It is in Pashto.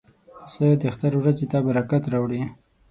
پسه د اختر ورځې ته برکت راوړي.